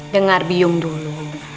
dengar byung dulu